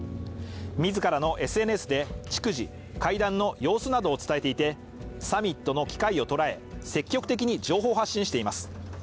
自らのＳＮＳで、逐次、会談の様子などを伝えていてサミットの機会をとらえ積極的に情報を発信しています。